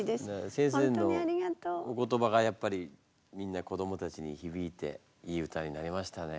先生のお言葉がやっぱりみんな子どもたちにひびいていい歌になりましたね。